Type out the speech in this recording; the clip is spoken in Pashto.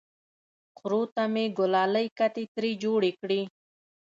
خرو ته مې ګلالۍ کتې ترې جوړې کړې!